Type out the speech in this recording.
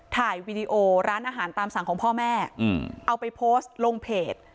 วีดีโอร้านอาหารตามสั่งของพ่อแม่เอาไปโพสต์ลงเพจ